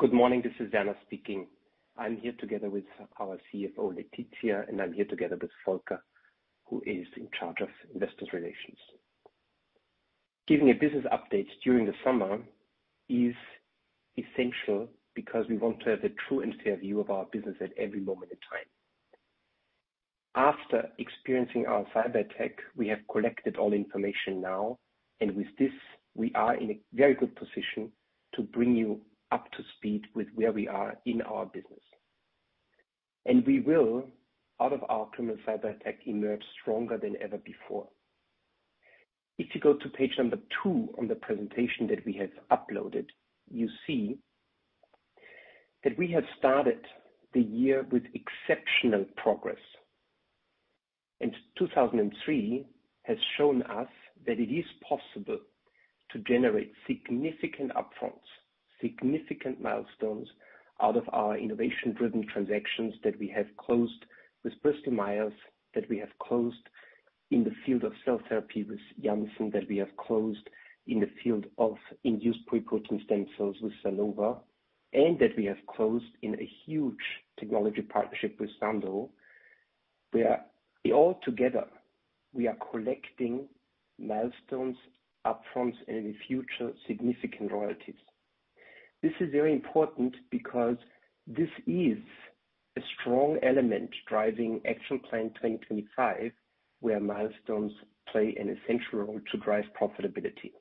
Good morning, this is Werner speaking. I'm here together with our CFO, Laetitia. I'm here together with Volker, who is in charge of Investor Relations. Giving a business update during the summer is essential because we want to have a true and fair view of our business at every moment in time. After experiencing our cyberattack, we have collected all information now. With this, we are in a very good position to bring you up to speed with where we are in our business. We will, out of our criminal cyberattack, emerge stronger than ever before. If you go to page Number 2 on the presentation that we have uploaded, you see that we have started the year with exceptional progress. 2003 has shown us that it is possible to generate significant upfronts, significant milestones, out of our innovation-driven transactions that we have closed with Bristol Myers, that we have closed in the field of cell therapy with Janssen, that we have closed in the field of induced pluripotent stem cells with Sernova, and that we have closed in a huge technology partnership with Sandoz, where all together, we are collecting milestones, upfronts, and in the future, significant royalties. This is very important because this is a strong element driving Action Plan 2025, where milestones play an essential role to drive profitability.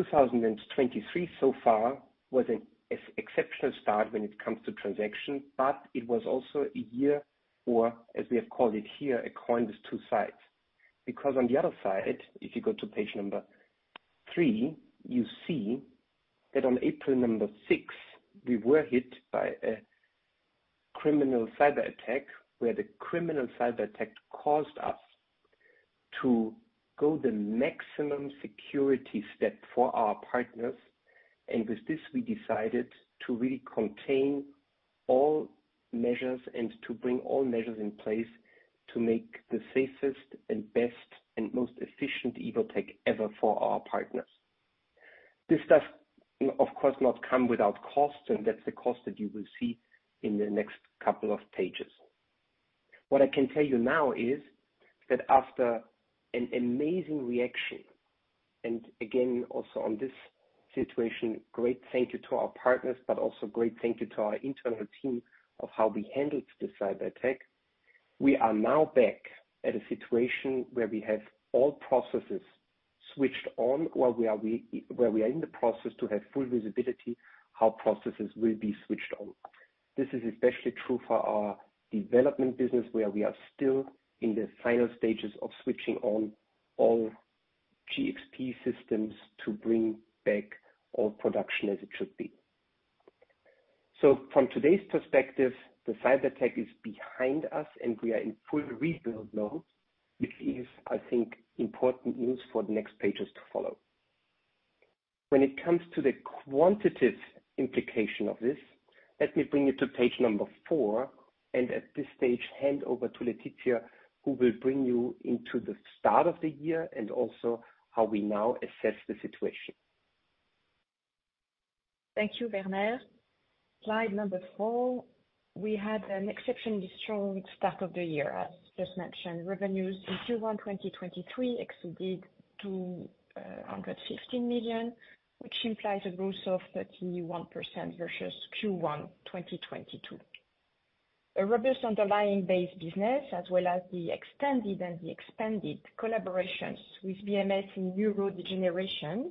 2023 so far was an exceptional start when it comes to transactions, but it was also a year, or as we have called it here, a coin with two sides. On the other side, if you go to page Number 3, you see that on April 6th, we were hit by a criminal cyberattack, where the criminal cyberattack caused us to go the maximum security step for our partners. With this, we decided to really contain all measures and to bring all measures in place to make the safest and best and most efficient Evotec ever for our partners. This does, of course, not come without cost, and that's the cost that you will see in the next couple of pages. What I can tell you now is that after an amazing reaction, and again, also on this situation, great thank you to our partners, but also great thank you to our internal team of how we handled this cyberattack. We are now back at a situation where we have all processes switched on, while we are in the process to have full visibility, how processes will be switched on. This is especially true for our development business, where we are still in the final stages of switching on all GxP systems to bring back all production as it should be. From today's perspective, the cyberattack is behind us, and we are in full rebuild mode, which is, I think, important news for the next pages to follow. When it comes to the quantitative implication of this, let me bring you to page Number 4, and at this stage, hand over to Laetitia, who will bring you into the start of the year and also how we now assess the situation. Thank you, Werner. Slide Number 4, we had an exceptionally strong start of the year. As just mentioned, revenues in Q1 2023 exceeded 216 million, which implies a growth of 31% versus Q1 2022. A robust underlying base business, as well as the extended and the expanded collaborations with BMS in neurodegeneration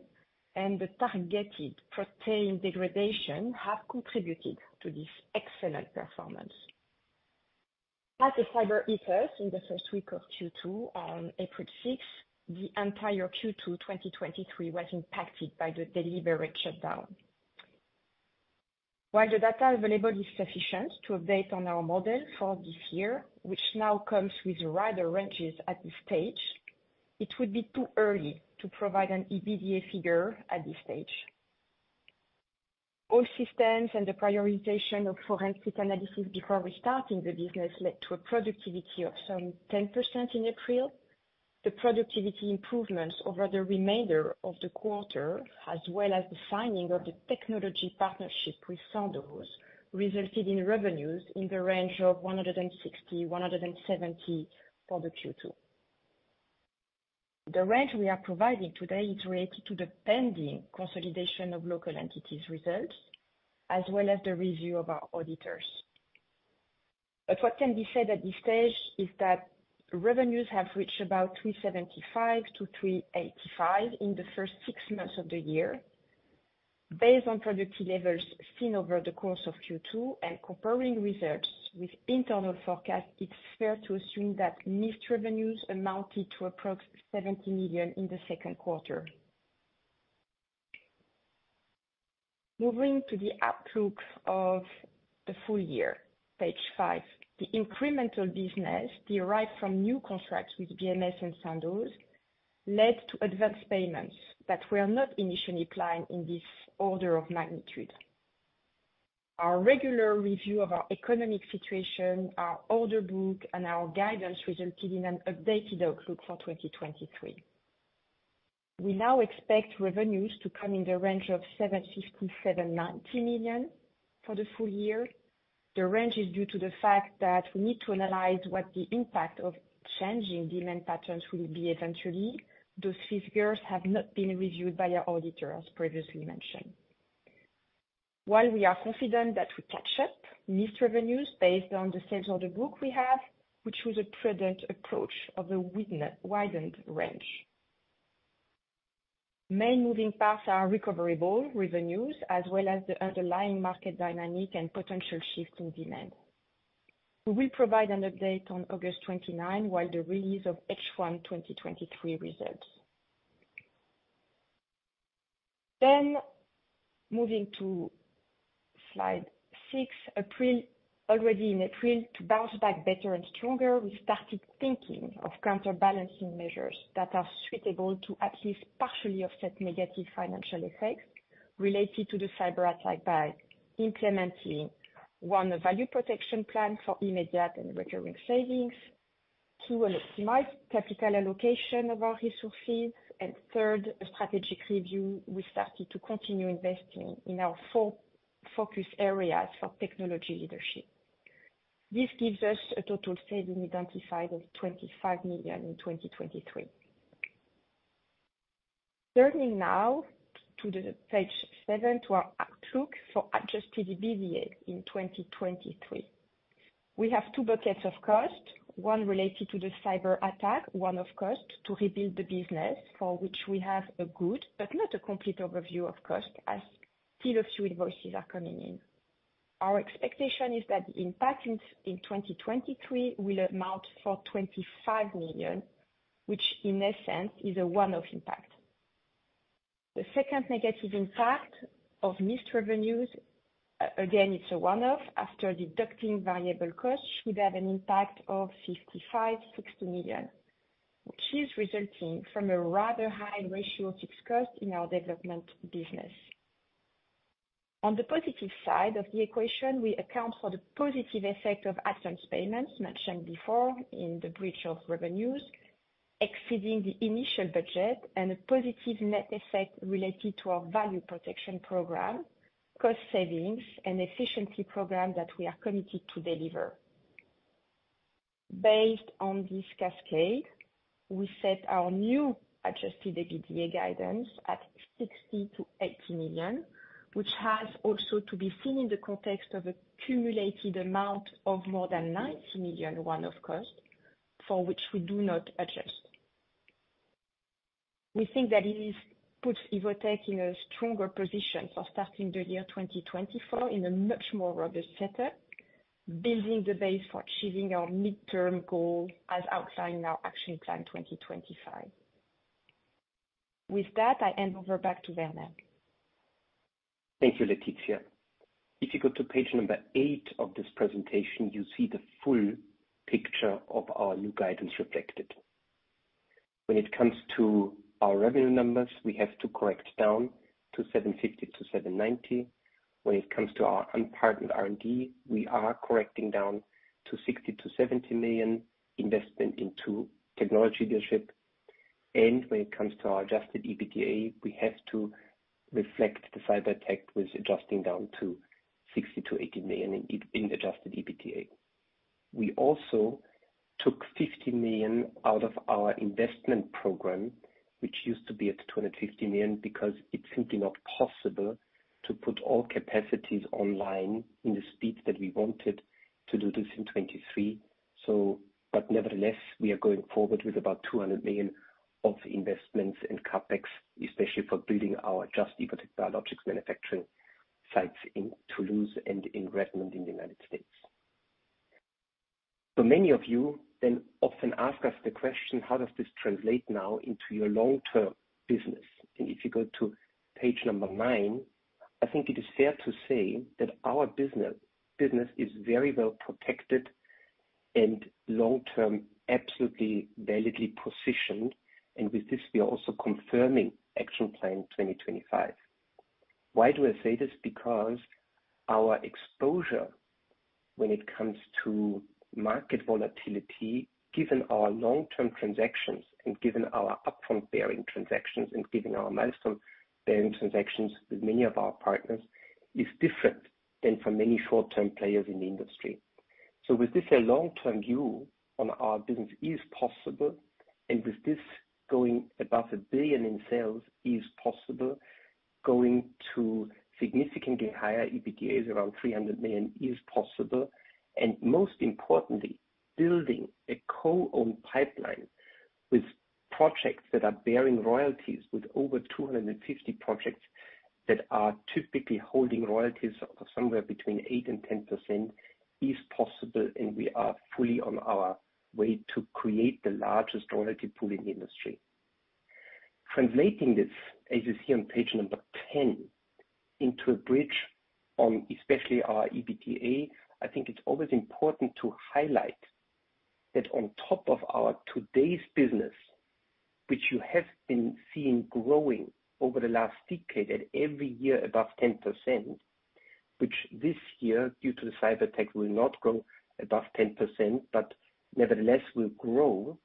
and the targeted protein degradation, have contributed to this excellent performance. As the cyber hit us in the 1st week of Q2, on April 6th, the entire Q2 2023 was impacted by the deliberate shutdown. While the data available is sufficient to update on our model for this year, which now comes with wider ranges at this stage, it would be too early to provide an EBITDA figure at this stage. All systems and the prioritization of forensic analysis before restarting the business led to a productivity of some 10% in April. The productivity improvements over the remainder of the quarter, as well as the signing of the technology partnership with Sandoz, resulted in revenues in the range of 160 million-170 million for the Q2. The range we are providing today is related to the pending consolidation of local entities' results, as well as the review of our auditors. What can be said at this stage is that revenues have reached about 375-385 million in the first 6 months of the year. Based on productivity levels seen over the course of Q2 and comparing results with internal forecasts, it's fair to assume that missed revenues amounted to approx 70 million in the second quarter. Moving to the outlook of the full-year, Page five. The Incremental business derived from new contracts with BMS and Sandoz led to advanced payments that were not initially planned in this order of magnitude. Our regular review of our economic situation, our order book, and our guidance resulted in an updated outlook for 2023. We now expect revenues to come in the range of 750 million-790 million for the full-year. The range is due to the fact that we need to analyze what the impact of changing demand patterns will be eventually. Those figures have not been reviewed by our auditor, as previously mentioned. While we are confident that we catch up missed revenues based on the sales order book we have, which was a prudent approach of a widened range. Main moving parts are recoverable revenues, as well as the underlying market dynamic and potential shift in demand. We will provide an update on August 29, while the release of H1 2023 results. Moving to Slide 6, April, already in April, to bounce back better and stronger, we started thinking of counterbalancing measures that are suitable to at least partially offset negative financial effects related to the cyber-attack by implementing, one, a Value Protection Plan for immediate and recurring savings. two, an optimized capital allocation of our resources. third, a strategic review. We started to continue investing in our four focus areas for technology leadership. This gives us a total saving identified of 25 million in 2023. Turning now to the Page 7, to our outlook for adjusted EBITDA in 2023. We have two buckets of cost, one related to the cyber-attack, one of cost to rebuild the business, for which we have a good but not a complete overview of cost, as still a few invoices are coming in. Our expectation is that the impact in 2023 will amount for 25 million, which in essence, is a one-off impact. The second negative impact of missed revenues, again, it's a one-off, after deducting variable costs, will have an impact of 55 million-60 million, which is resulting from a rather high ratio of fixed cost in our development business. On the positive side of the equation, we account for the positive effect of advance payments mentioned before in the bridge of revenues, exceeding the initial budget and a positive net effect related to our Value Protection program, cost savings, and efficiency program that we are committed to deliver. Based on this cascade, we set our new adjusted EBITDA guidance at 60 million-80 million, which has also to be seen in the context of a cumulative amount of more than 90 million, one of cost, for which we do not adjust. We think that puts Evotec in a stronger position for starting the year 2024 in a much more robust setup, building the base for achieving our midterm goal as outlined in our Action Plan 2025. I hand over back to Werner. Thank you, Laetitia. If you go to page Number 8 of this presentation, you see the full picture of our new guidance reflected. When it comes to our revenue numbers, we have to correct down to 750 million-790 million. When it comes to our unpartnered R&D, we are correcting down to 60 million-70 million investment into technology leadership. When it comes to our adjusted EBITDA, we have to reflect the cyber-attack with adjusting down to 60 million-80 million in adjusted EBITDA. We also took 50 million out of our investment program, which used to be at 250 million, because it's simply not possible to put all capacities online in the speed that we wanted to do this in 2023. Nevertheless, we are going forward with about 200 million of investments in CapEx, especially for building our Just - Evotec biologics manufacturing sites in Toulouse and in Redmond, in the United States. Many of you then often ask us the question: "How does this translate now into your long-term business? If you go to page Number 9, I think it is fair to say that our business, business is very well protected and long-term, absolutely validly positioned. With this, we are also confirming Action Plan 2025. Why do I say this? Because our exposure when it comes to market volatility, given our long-term transactions and given our upfront-bearing transactions, and given our milestone-bearing transactions with many of our partners, is different than for many short-term players in the industry. With this, a long-term view on our business is possible, and with this, going above 1 billion in sales is possible. Going to significantly higher EBITDAs, around 300 million, is possible. Most importantly, building a co-owned pipeline with projects that are bearing royalties, with over 250 projects that are typically holding royalties of somewhere between 8% and 10%, is possible, and we are fully on our way to create the largest royalty pool in the industry. Translating this, as you see on page Number 10, into a bridge on especially our EBITDA, I think it's always important to highlight that on top of our today's business, which you have been seeing growing over the last decade, at every year above 10%, which this year, due to the cyber-attack, will not grow above 10%, but nevertheless will grow.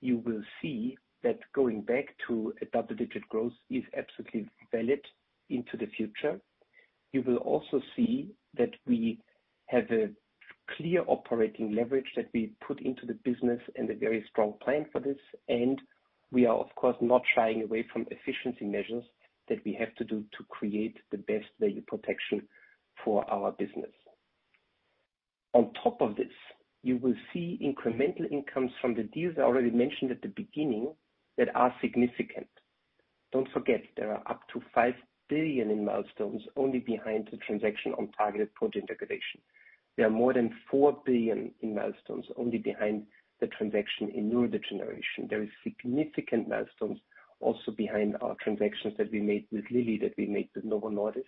You will see that going back to a double-digit growth is absolutely valid into the future. You will also see that we have a clear operating leverage that we put into the business and a very strong plan for this. We are, of course, not shying away from efficiency measures that we have to do to create the best value protection for our business. On top of this, you will see incremental incomes from the deals I already mentioned at the beginning that are significant. Don't forget, there are up to 5 billion in milestones only behind the transaction on targeted protein degradation. There are more than 4 billion in milestones only behind the transaction in neurodegeneration. There is significant milestones also behind our transactions that we made with Lilly, that we made with Novo Nordisk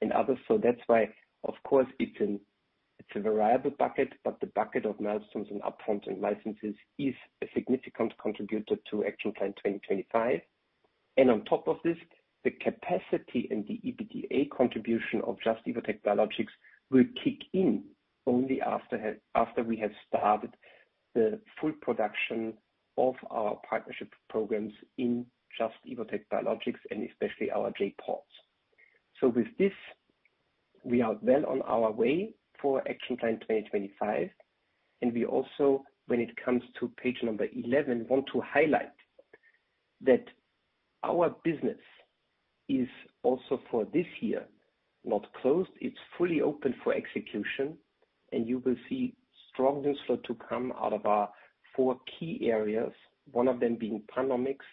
and others. That's why, of course, it's a variable bucket, but the bucket of milestones and upfront and licenses is a significant contributor to Action Plan 2025. On top of this, the capacity and the EBITDA contribution of Just - Evotec Biologics will kick in only after we have started the full production of our partnership programs in Just - Evotec Biologics and especially our J.PODs. With this, we are well on our way for Action Plan 2025, and we also, when it comes to page Number 11, want to highlight that our business is also, for this year, not closed. It's fully open for execution, and you will see strong results to come out of our four key areas. One of them being PanOmics,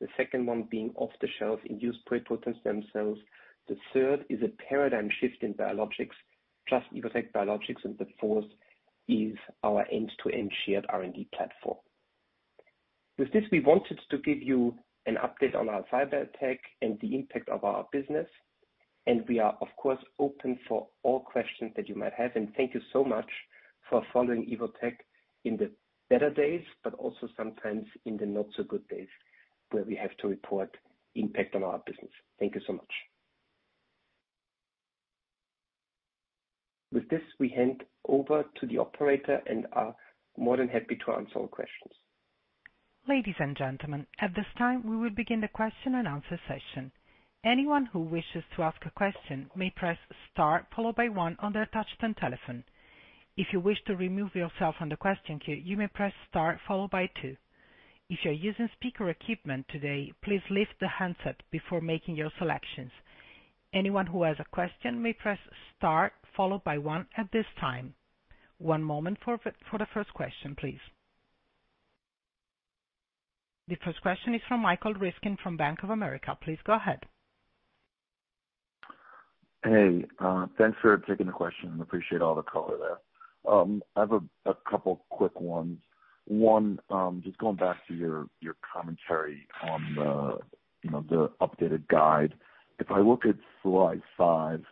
the second one being off-the-shelf induced pluripotent stem cells. The third is a paradigm shift in biologics, Just - Evotec Biologics, and the fourth is our end-to-end shared R&D platform. With this, we wanted to give you an update on our cyber-attack and the impact of our business, and we are, of course, open for all questions that you might have. Thank you so much for following Evotec in the better days, but also sometimes in the not so good days, where we have to report impact on our business. Thank you so much. With this, we hand over to the operator and are more than happy to answer all questions. Ladies and gentlemen, at this time, we will begin the question-and-answer session. Anyone who wishes to ask a question may press Star followed by one on their touchtone telephone. If you wish to remove yourself from the question queue, you may press Star followed by two. If you're using speaker equipment today, please lift the handset before making your selections. Anyone who has a question may press Star followed by one at this time. One moment for the first question, please. The first question is from Michael Ryskin from Bank of America. Please go ahead. Hey, thanks for taking the question. Appreciate all the color there. I have a couple quick ones. One, just going back to your commentary on the, you know, the updated guide. If I look at Slide 5,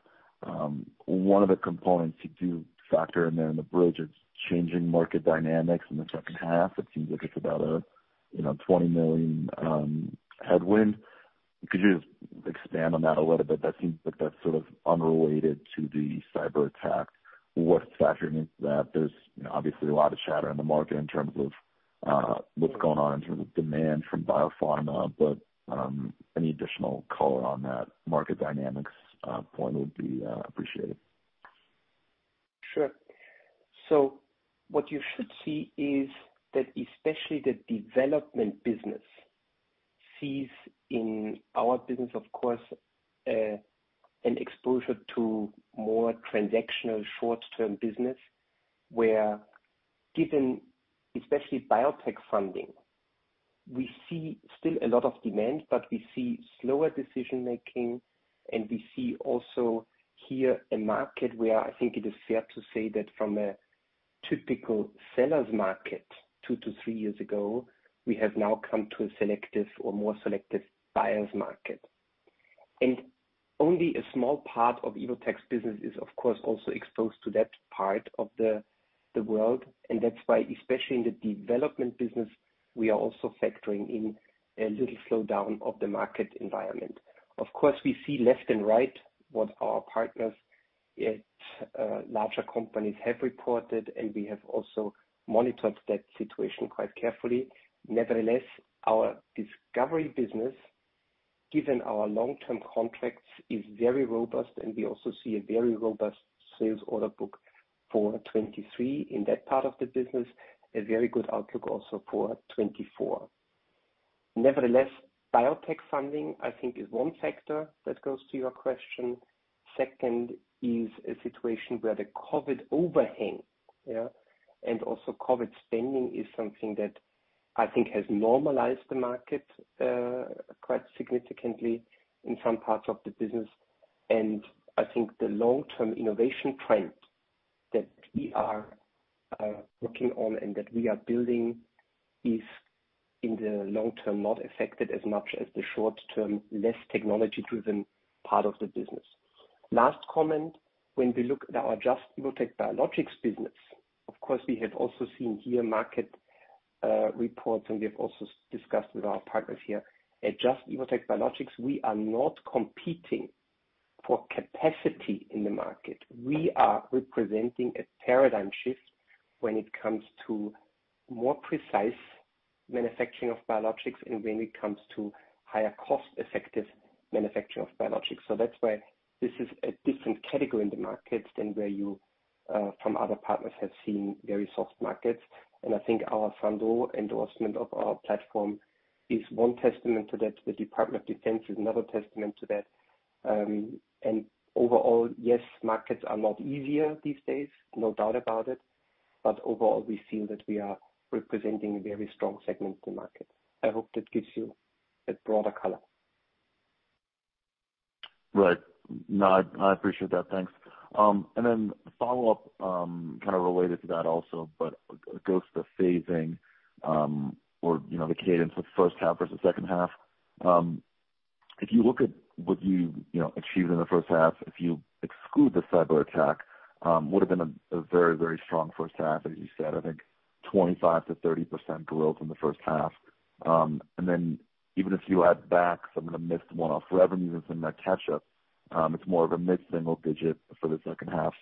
one of the components you do factor in there in the bridge is changing market dynamics in the second half. It seems like it's about a, you know, 20 million headwind. Could you just expand on that a little bit? That seems like that's sort of unrelated to the cyber-attack. What's factoring into that? There's, you know, obviously a lot of chatter in the market in terms of what's going on in terms of demand from biopharma. Any additional color on that market dynamics point would be appreciated. What you should see is that especially the development business sees in our business, of course, an exposure to more transactional short-term business, where given especially biotech funding, we see still a lot of demand, but we see slower decision-making, and we see also here a market where I think it is fair to say that from a typical seller's market 2-3 years ago, we have now come to a selective or more selective buyer's market. Only a small part of Evotec's business is, of course, also exposed to that part of the, the world. That's why, especially in the development business, we are also factoring in a little slowdown of the market environment. Of course, we see left and right what our partners at larger companies have reported, and we have also monitored that situation quite carefully. Nevertheless, our discovery business, given our long-term contracts, is very robust, and we also see a very robust sales order book for 2023 in that part of the business, a very good outlook also for 2024. Nevertheless, biotech funding, I think, is one factor that goes to your question. Second is a situation where the COVID overhang, yeah, and also COVID spending is something that I think has normalized the market, quite significantly in some parts of the business. I think the long-term innovation trend that we are working on and that we are building is... in the long-term, not affected as much as the short-term, less technology-driven part of the business. Last comment, when we look at our Just - Evotec Biologics business, of course, we have also seen here market reports, and we have also discussed with our partners here. At Just - Evotec Biologics, we are not competing for capacity in the market. We are representing a paradigm shift when it comes to more precise manufacturing of biologics and when it comes to higher cost-effective manufacturing of biologics. That's why this is a different category in the market than where you, from other partners, have seen very soft markets. I think our Sandoz endorsement of our platform is one testament to that. The Department of Defense is another testament to that. Overall, yes, markets are not easier these days, no doubt about it. Overall, we feel that we are representing a very strong segment in the market. I hope that gives you a broader color. Right. No, I, I appreciate that. Thanks. Follow-up, kind of related to that also, it goes to the phasing, or, you know, the cadence with the first half versus the second half. If you look at what you, you know, achieved in the first half, if you exclude the cyber-attack, would have been a very, very strong first half, as you said, I think 25%-30% growth in the first half. Even if you add back some of the missed one-off revenues in that catch-up, it's more of a mid-single-digit for the second half.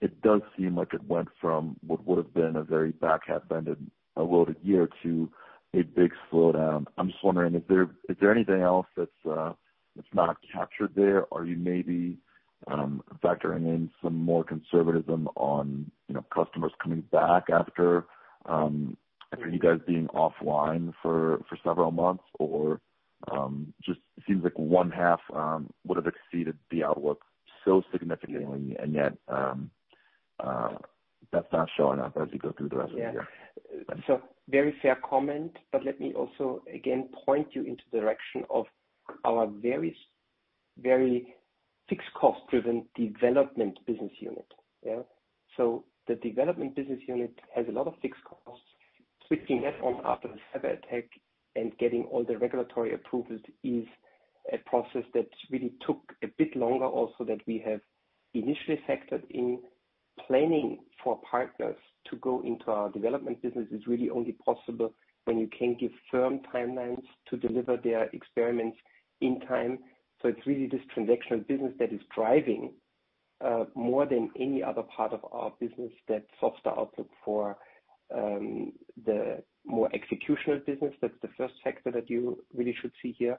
It does seem like it went from what would have been a very back-half-ended loaded year to a big slowdown. I'm just wondering, is there, is there anything else that's that's not captured there? Are you maybe factoring in some more conservatism on, you know, customers coming back after after you guys being offline for, for several months? Or just seems like one half would have exceeded the outlook so significantly, and yet, that's not showing up as you go through the rest of the year. Yeah. Very fair comment, but let me also again, point you into the direction of our very, very fixed cost-driven development business unit. Yeah. The development business unit has a lot of fixed costs. Switching that on after the cyber-attack and getting all the regulatory approvals is a process that really took a bit longer also, that we have initially factored in planning for partners to go into our development business is really only possible when you can give firm timelines to deliver their experiments in time. It's really this transactional business that is driving more than any other part of our business that softer output for the more executional business. That's the first factor that you really should see here.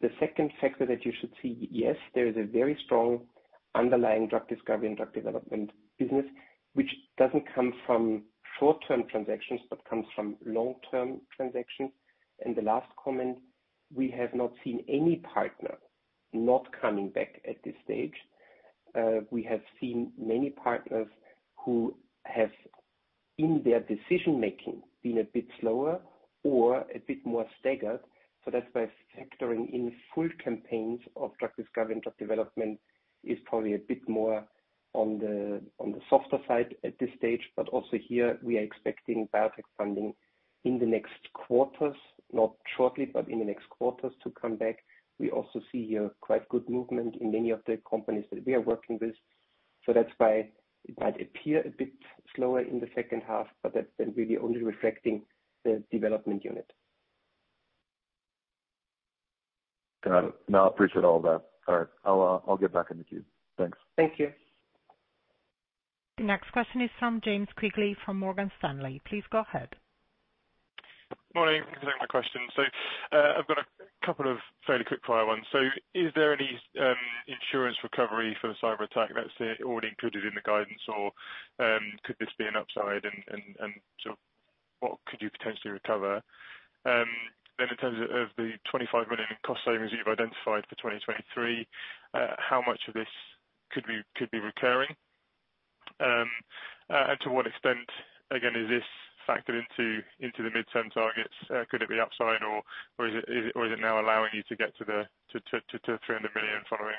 The second factor that you should see, yes, there is a very strong underlying drug discovery and drug development business, which doesn't come from short-term transactions, but comes from long-term transactions. The last comment, we have not seen any partner not coming back at this stage. We have seen many partners who have, in their decision-making, been a bit slower or a bit more staggered. That's why factoring in full campaigns of drug discovery and drug development is probably a bit more on the, on the softer side at this stage. Also here, we are expecting biotech funding in the next quarters, not shortly, but in the next quarters to come back. We also see here quite good movement in many of the companies that we are working with. That's why it might appear a bit slower in the second half, but that's then really only reflecting the development unit. Got it. No, I appreciate all that. All right, I'll get back in the queue. Thanks. Thank you. The next question is from James Quigley, from Morgan Stanley. Please go ahead. Morning. Thanks for taking my question. I've got a couple of fairly quickfire ones. Is there any insurance recovery for the cyber-attack that's already included in the guidance? Could this be an upside, and, and, and what could you potentially recover? In terms of, of the 25 million cost savings you've identified for 2023, how much of this could be, could be recurring? To what extent, again, is this factored into, into the midterm targets? Could it be upside, or, or is it, is it, or is it now allowing you to get to the, to, 300 million following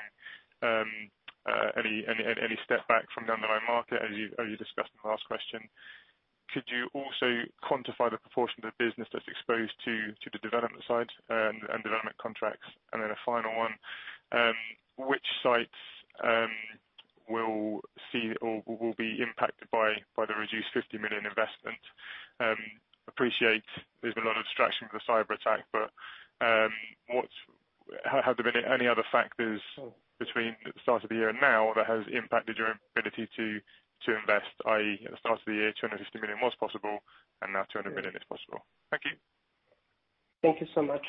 any, any, any step back from the underlying market, as you, as you discussed in the last question? Could you also quantify the proportion of the business that's exposed to, to the development side, and development contracts? Then a final one, which sites, will see or will be impacted by, by the reduced 50 million investment? Appreciate there's been a lot of distraction from the cyber-attack, but, what's- have there been any other factors between the start of the year and now that has impacted your ability to, to invest, i.e., at the start of the year, 250 million was possible, and now 200 million is possible? Thank you. Thank you so much.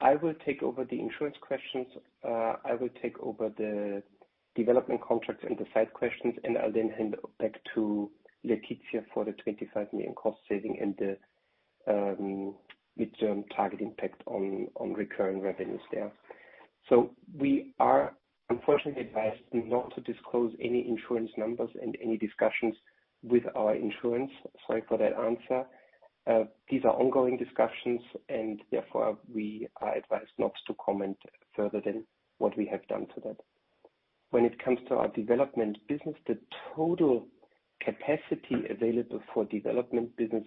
I will take over the insurance questions. I will take over the development contracts and the site questions, and I'll then hand back to Laetitia for the 25 million cost saving and the midterm target impact on, on recurring revenues there. We are unfortunately advised not to disclose any insurance numbers and any discussions with our insurance. Sorry for that answer. These are ongoing discussions, and therefore, we are advised not to comment further than what we have done to that. When it comes to our Development business, the total capacity available for Development business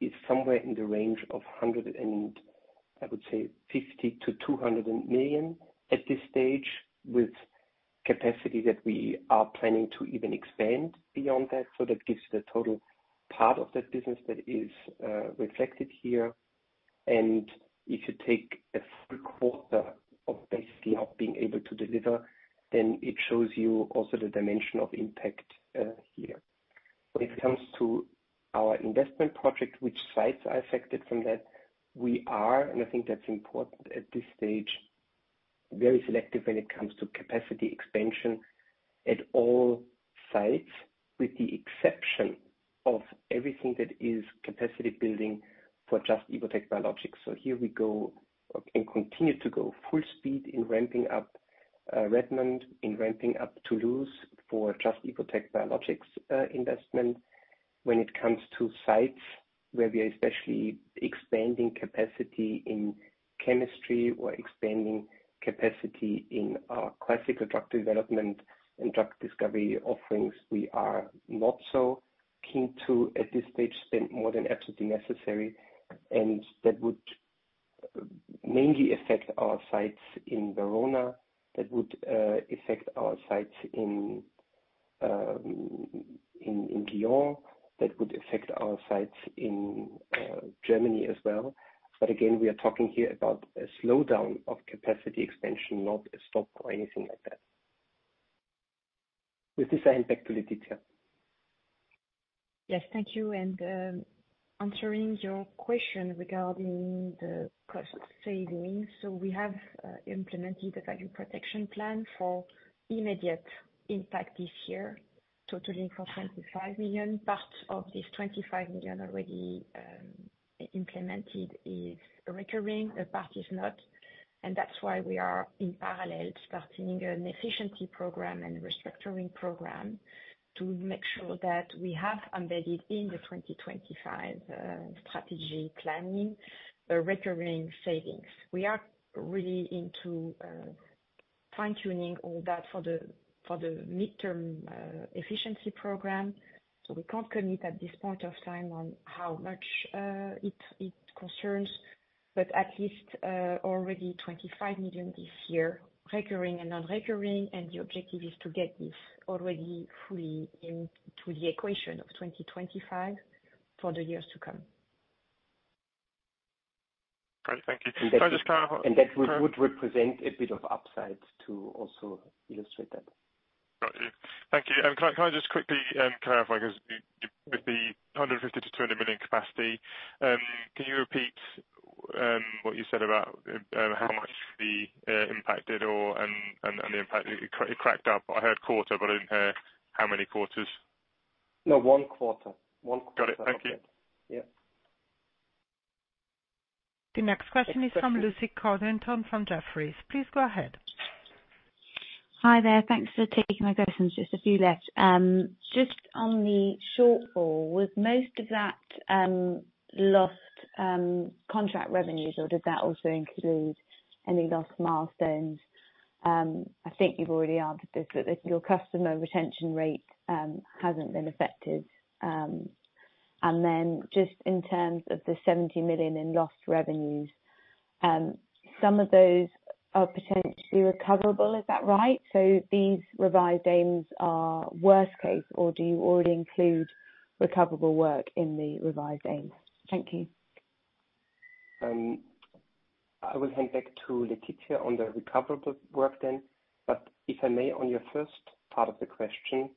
is somewhere in the range of 150 million-200 million at this stage, with capacity that we are planning to even expand beyond that. That gives the total part of that business that is reflected here. If you take a full quarter of basically not being able to deliver, then it shows you also the dimension of impact here. When it comes to our investment project, which sites are affected from that, we are, and I think that's important at this stage, very selective when it comes to capacity expansion at all sites, with the exception of everything that is capacity building for Just - Evotec Biologics. Here we go and continue to go full speed in ramping up Redmond, in ramping up Toulouse for Just - Evotec Biologics investment. When it comes to sites where we are especially expanding capacity in chemistry or expanding capacity in our classical drug development and drug discovery offerings, we are not so keen to, at this stage, spend more than absolutely necessary. That would mainly affect our sites in Verona, that would affect our sites in Riom, that would affect our sites in Germany as well. Again, we are talking here about a slowdown of capacity expansion, not a stop or anything like that. With the same back to Laetitia. Yes, thank you. Answering your question regarding the cost savings. We have implemented a Value Protection Plan for immediate impact this year, totaling for 25 million. Part of this 25 million already implemented is recurring, a part is not. That's why we are in parallel starting an efficiency program and restructuring program to make sure that we have embedded in the 2025 strategy planning, the recurring savings. We are really into fine-tuning all that for the for the mid-term efficiency program. We can't commit at this point of time on how much it concerns, but at least already 25 million this year, recurring and non-recurring, and the objective is to get this already fully into the equation of 2025 for the years to come. Great. Thank you. Can I just- That would represent a bit of upside to also illustrate that. Got you. Thank you. Can I, can I just quickly clarify, 'cause with the 150 million-200 million capacity, can you repeat what you said about how much the impacted or the impact it cracked up? I heard quarter, but I didn't hear how many quarters. No, one quarter. One quarter. Got it. Thank you. Yeah. The next question is from Lucy Codrington from Jefferies. Please go ahead. Hi there. Thanks for taking my questions, just a few left. Just on the shortfall, was most of that lost contract revenues, or did that also include any lost milestones? I think you've already answered this, your customer retention rate hasn't been affected. Just in terms of the 70 million in lost revenues, some of those are potentially recoverable, is that right? These revised aims are worst case, or do you already include recoverable work in the revised aims? Thank you. I will hand back to Laetitia on the recoverable work then. If I may, on your first part of the question,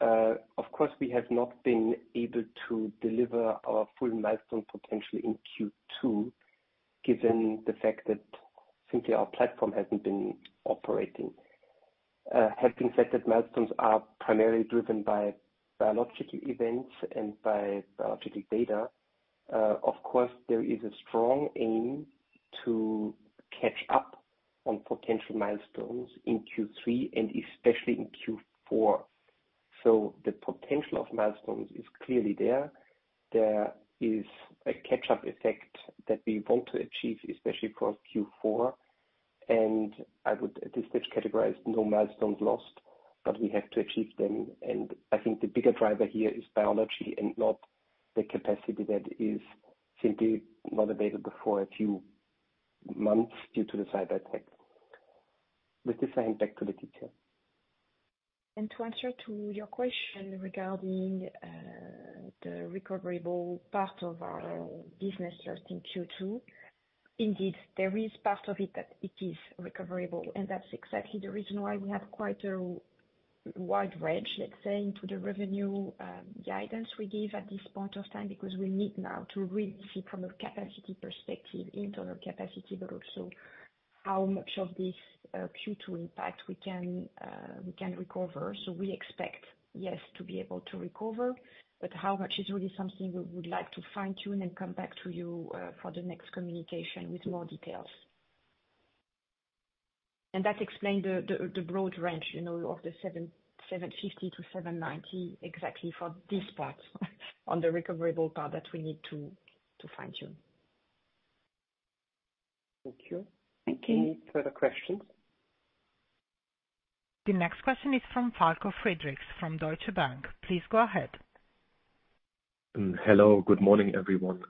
of course, we have not been able to deliver our full milestone potential in Q2, given the fact that simply our platform hasn't been operating. Having said that, milestones are primarily driven by biological events and by biological data. Of course, there is a strong aim to catch up on potential milestones in Q3 and especially in Q4. The potential of milestones is clearly there. There is a catch-up effect that we want to achieve, especially for Q4, and I would, at this stage, categorize no milestones lost, but we have to achieve them. I think the bigger driver here is biology and not the capacity that is simply not available for a few months due to the cyber-attack. With the same back to Laetitia. To answer to your question regarding the recoverable part of our business just in Q2, indeed, there is part of it that it is recoverable, and that's exactly the reason why we have quite a wide range, let's say, into the revenue guidance we give at this point of time, because we need now to really see from a capacity perspective, internal capacity, but also how much of this Q2 impact we can recover. We expect, yes, to be able to recover, but how much is really something we would like to fine-tune and come back to you for the next communication with more details. That explained the broad range, you know, of the 750-790, exactly for this part on the recoverable part that we need to fine-tune. Thank you. Thank you. Any further questions? The next question is from Falco Friedrichs, from Deutsche Bank. Please go ahead. Hello, good morning, everyone.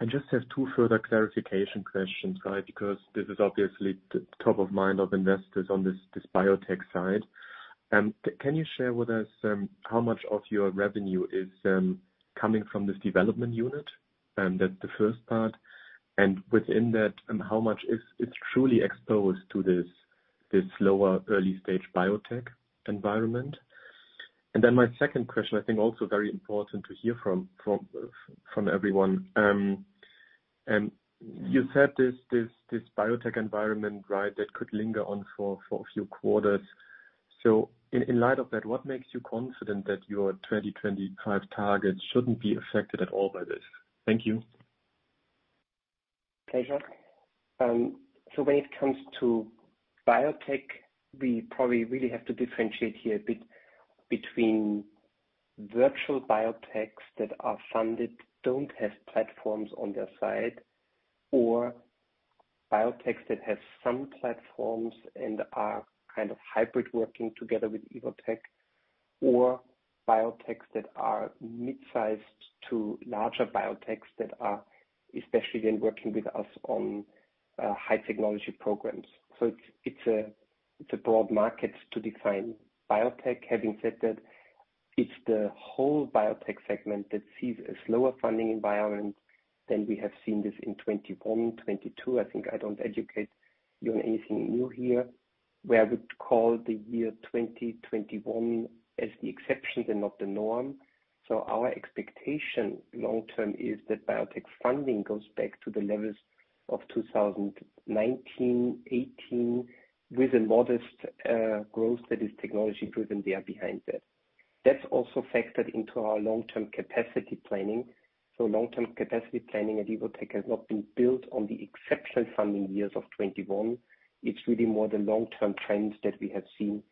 I just have two further clarification questions, right, because this is obviously the top of mind of investors on this biotech side. Can you share with us how much of your revenue is coming from this development unit? That's the first part. Within that, how much is truly exposed to this lower early-stage biotech environment? My second question, I think also very important to hear from everyone. You said this biotech environment, right, that could linger on for a few quarters. In light of that, what makes you confident that your 2025 targets shouldn't be affected at all by this? Thank you. Pleasure. When it comes to biotech, we probably really have to differentiate here a bit between virtual biotechs that are funded, don't have platforms on their side, or biotechs that have some platforms and are kind of hybrid working together with Evotec, or biotechs that are mid-sized to larger biotechs that are especially then working with us on high technology programs. It's, it's a, it's a broad market to define biotech. Having said that, it's the whole biotech segment that sees a slower funding environment than we have seen this in 2021, 2022. I think I don't educate you on anything new here. Where I would call the year 2021 as the exception and not the norm. Our expectation long-term is that biotech funding goes back to the levels of 2019, 2018, with a modest growth that is technology driven there behind that. That's also factored into our long-term capacity planning. Long-term capacity planning at Evotec has not been built on the exceptional funding years of 2021. It's really more the long-term trends that we have seen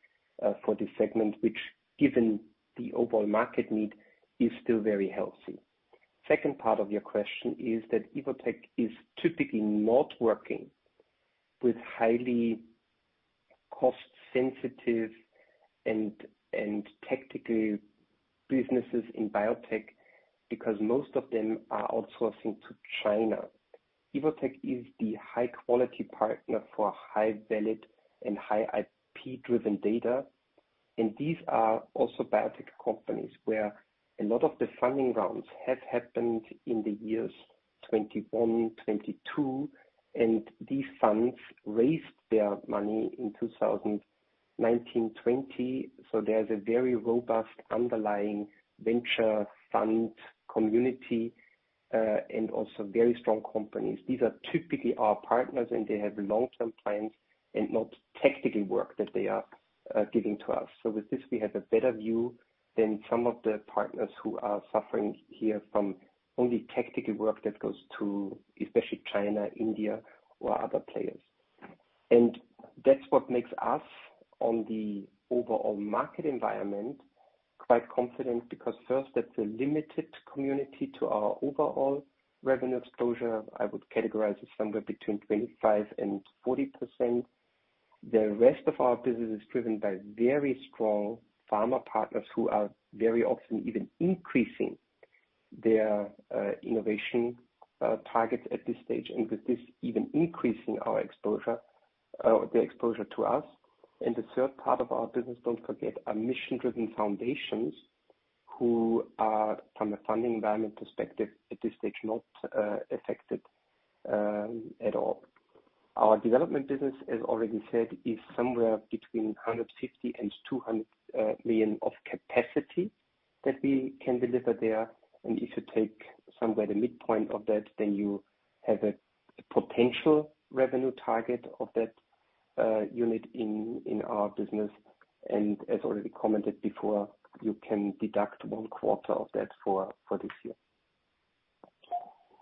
for this segment, which given the overall market need, is still very healthy. Second part of your question is that Evotec is typically not working with highly cost-sensitive and tactical businesses in biotech, because most of them are outsourcing to China. Evotec is the high quality partner for high valid and high IP-driven data. These are also biotech companies, where a lot of the funding rounds have happened in the years 2021, 2022, and these funds raised their money in 2019, 2020. There's a very robust underlying venture fund community, and also very strong companies. These are typically our partners, and they have long-term plans and not tactical work that they are giving to us. With this, we have a better view than some of the partners who are suffering here from only tactical work that goes to especially China, India, or other players. That's what makes us, on the overall market environment, quite confident. Because first, that's a limited community to our overall revenue exposure. I would categorize it somewhere between 25% and 40%. The rest of our business is driven by very strong pharma partners who are very often even increasing their innovation targets at this stage, and with this, even increasing our exposure, the exposure to us. The third part of our business, don't forget, are mission-driven foundations, who are, from a funding environment perspective, at this stage, not affected at all. Our Development business, as already said, is somewhere between 150 million and 200 million of capacity that we can deliver there. If you take somewhere the midpoint of that, then you have a potential revenue target of that unit in our business. As already commented before, you can deduct one quarter of that for this year.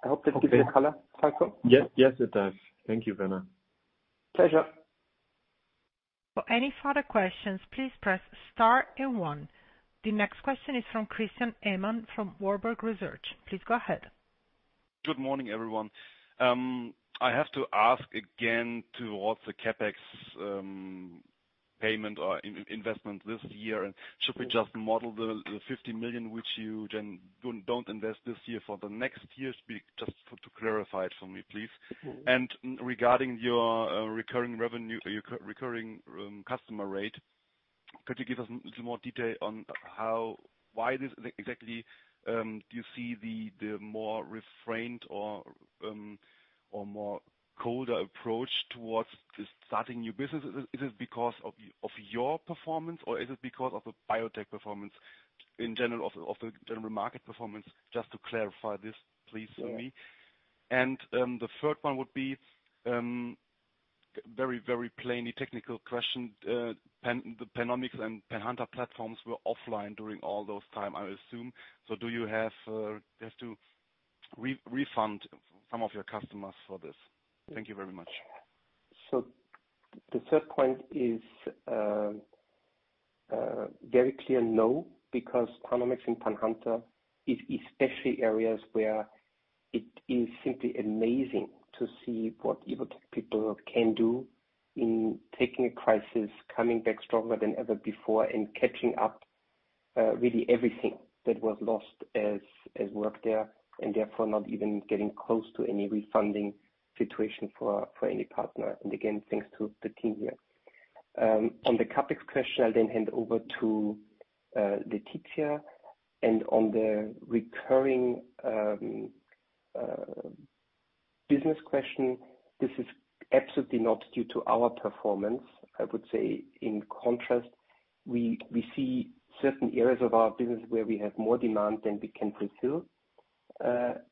I hope that gives you color, Falco. Yes, yes, it does. Thank you, Werner. Pleasure. For any further questions, please press Star and one. The next question is from Christian Ehmann from Warburg Research. Please go ahead. Good morning, everyone. I have to ask again towards the CapEx payment or investment this year, should we just model the 50 million, which you then don't invest this year for the next year? Speak just for to clarify it for me, please Regarding your recurring revenue, your recurring customer rate, could you give us a little more detail on why this exactly, do you see the more refrained or more colder approach towards the starting new businesses? Is it because of your performance, or is it because of the biotech performance in general, of the general market performance? Just to clarify this, please, for me. Yeah. The third one would be very, very plainly technical question. Pan, the PanOmics and PanHunter platforms were offline during all those time, I assume. Do you have, you have to refund some of your customers for this? Thank you very much. The third point is very clear no, because PanOmics and PanHunter is especially areas where it is simply amazing to see what Evotec people can do in taking a crisis, coming back stronger than ever before, and catching up really everything that was lost as, as work there, and therefore, not even getting close to any refunding situation for, for any partner. Again, thanks to the team here. On the CapEx question, I'll then hand over to Laetitia. On the recurring business question, this is absolutely not due to our performance. I would say in contrast, we, we see certain areas of our business where we have more demand than we can fulfill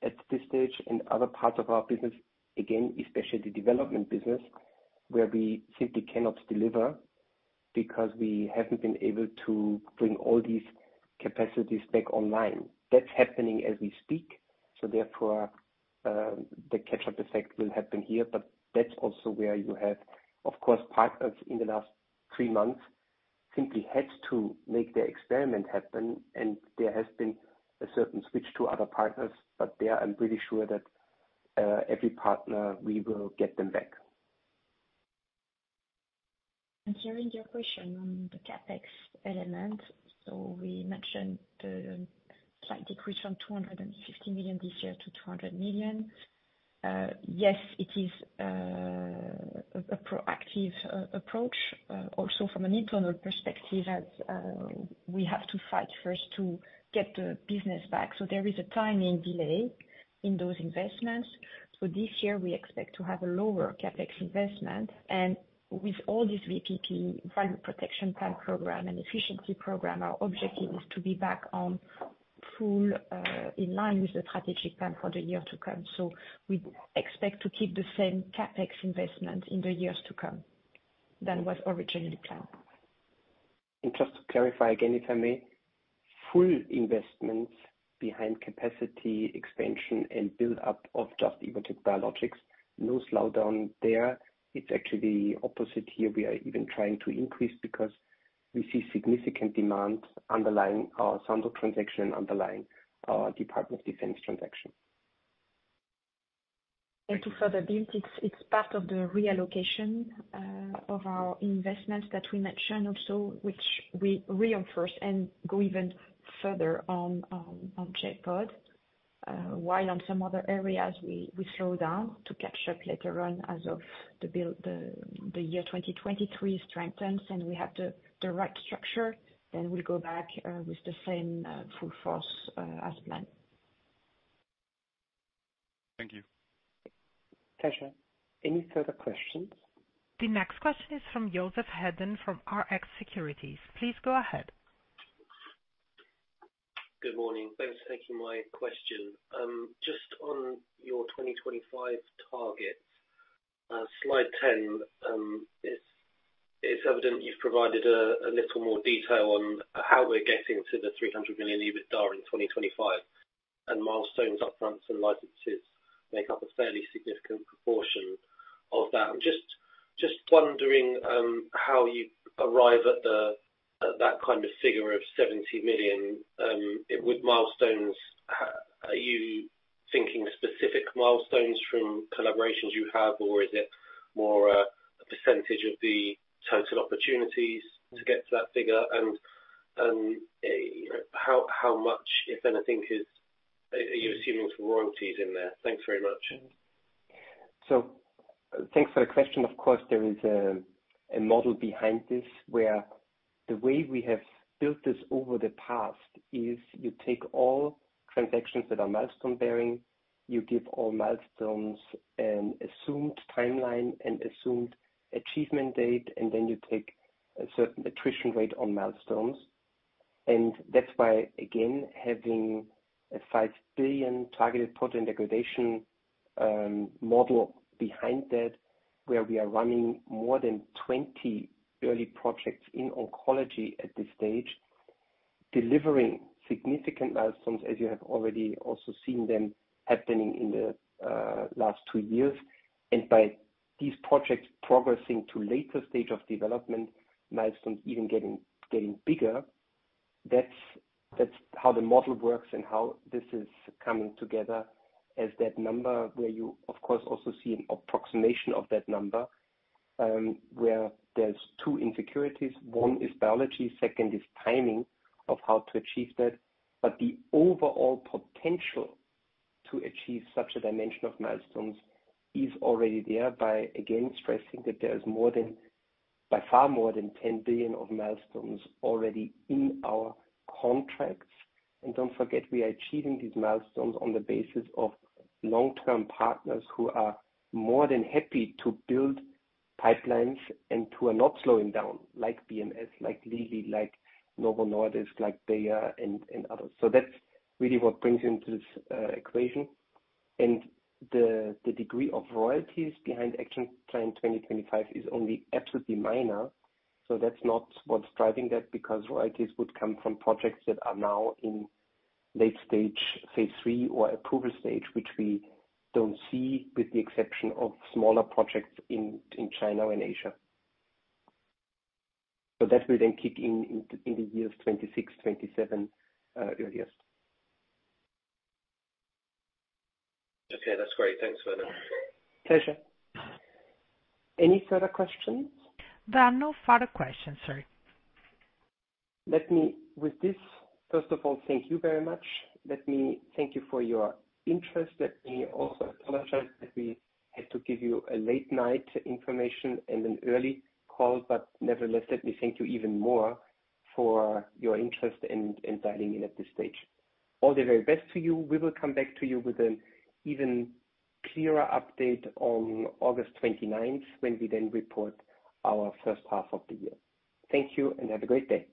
at this stage, and other parts of our business, again, especially the Development business, where we simply cannot deliver because we haven't been able to bring all these capacities back online. That's happening as we speak, so therefore, the catch-up effect will happen here. That's also where you have, of course, partners in the last three months simply had to make their experiment happen, and there has been a certain switch to other partners. There, I'm pretty sure that, every partner, we will get them back. Hearing your question on the CapEx element, we mentioned the slight decrease from 250 million this year to 200 million. Yes, it is a proactive approach, also from an internal perspective, as we have to fight first to get the business back. There is a timing delay in those investments. This year, we expect to have a lower CapEx investment. With all this VPP, Value Protection Plan program and efficiency program, our objective is to be back on full in line with the strategic plan for the year to come. We expect to keep the same CapEx investment in the years to come than was originally planned. Just to clarify again, if I may, full investments behind capacity, expansion, and build-up of Just - Evotec Biologics, no slowdown there. It's actually opposite here. We are even trying to increase because we see significant demand underlying our Sandoz transaction, underlying our Department of Defense transaction. To further build, it's, it's part of the reallocation of our investments that we mentioned also, which we reinforce and go even further on on J.POD. While on some other areas, we, we slow down to catch up later on, as of the build, the, the year 2023 strengthens, and we have the, the right structure, then we'll go back with the same full force as planned. Thank you. Tasha, any further questions? The next question is from Joseph Hedden from Rx Securities. Please go ahead. Good morning. Thanks for taking my question. just on your 2025 targets, Slide 10, it's evident you've provided a little more detail on how we're getting to the 300 million EBITDA in 2025, and milestones, upfronts, and licenses make up a fairly significant proportion of that. Just wondering, how you arrive at that kind of figure of 70 million, with milestones. Are you thinking specific milestones from collaborations you have, or is it more a percentage of the total opportunities to get to that figure? How, how much, if anything, are you assuming some royalties in there? Thanks very much. Thanks for the question. Of course, there is a model behind this, where the way we have built this over the past is you take all transactions that are milestone-bearing, you give all milestones an assumed timeline and assumed achievement date, and then you take a certain attrition rate on milestones. That's why, again, having a 5 billion targeted protein degradation model behind that, where we are running more than 20 early projects in oncology at this stage, delivering significant milestones, as you have already also seen them happening in the last 2 years. By these projects progressing to later stage of development, milestones even getting bigger. That's how the model works and how this is coming together as that number, where you, of course, also see an approximation of that number, where there's two insecurities. One is biology, second is timing of how to achieve that. The overall potential to achieve such a dimension of milestones is already there by, again, stressing that there's more than, by far more than 10 billion of milestones already in our contracts. Don't forget, we are achieving these milestones on the basis of long-term partners who are more than happy to build pipelines and who are not slowing down, like BMS, like Lilly, like Novo Nordisk, like Bayer and, and others. That's really what brings into this equation. The, the degree of royalties behind Action Plan 2025 is only absolutely minor. That's not what's driving that, because royalties would come from projects that are now in late stage, phase III, or approval stage, which we don't see, with the exception of smaller projects in, in China and Asia. That will then kick in the years 2026, 2027, earliest. Okay, that's great. Thanks a lot. Pleasure. Any further questions? There are no further questions, sir. Let me, with this, first of all, thank you very much. Let me thank you for your interest. Let me also apologize that we had to give you a late night information and an early call. Nevertheless, let me thank you even more for your interest in, in dialing in at this stage. All the very best to you. We will come back to you with an even clearer update on August 29, when we report our first half of the year. Thank you, have a great day.